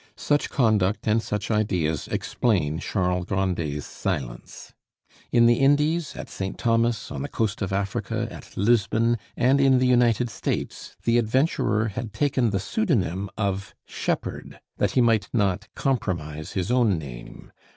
Such conduct and such ideas explain Charles Grandet's silence. In the Indies, at St. Thomas, on the coast of Africa, at Lisbon, and in the United States the adventurer had taken the pseudonym of Shepherd, that he might not compromise his own name.